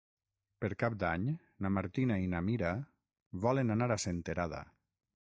Per Cap d'Any na Martina i na Mira volen anar a Senterada.